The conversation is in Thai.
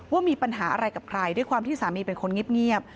ว่ามีปัญหาอะไรกับใครด้วยความที่สามีเป็นคนเงียบ